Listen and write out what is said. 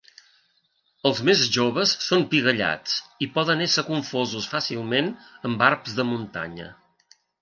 Els més joves són pigallats, i poden ésser confosos fàcilment amb barbs de muntanya.